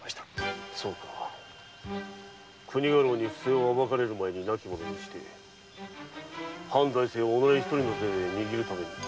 そうか国家老に不正を暴かれる前に亡きものにし藩財政を己一人の手で握るためにか。